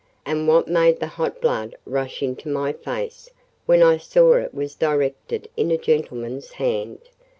and what made the hot blood rush into my face when I saw it was directed in a gentleman's hand?